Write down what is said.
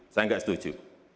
saya enggak setuju